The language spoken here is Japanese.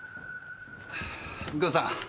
右京さん！